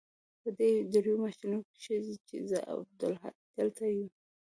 په دې درېو مياشتو کښې چې زه او عبدالهادي دلته يو.